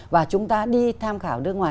và chúng ta đi tham khảo nước ngoài